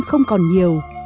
không còn nhiều